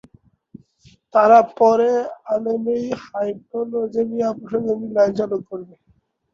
তারা পরে আলমেই হাইপোঅ্যালারজেনিক প্রসাধনী লাইন চালু করবে।